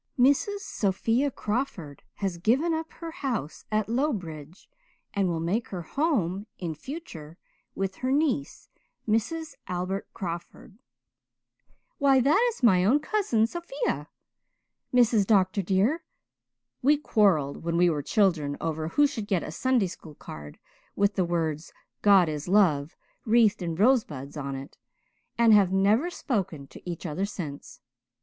'Mrs. Sophia Crawford has given up her house at Lowbridge and will make her home in future with her niece, Mrs. Albert Crawford.' Why that is my own cousin Sophia, Mrs. Dr. dear. We quarrelled when we were children over who should get a Sunday school card with the words 'God is Love,' wreathed in rosebuds, on it, and have never spoken to each other since.